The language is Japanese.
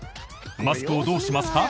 マスクをどうしますか？